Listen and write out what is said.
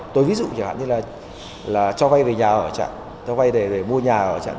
tôi ví dụ như là cho vay về nhà ở chẳng cho vay để mua nhà ở chẳng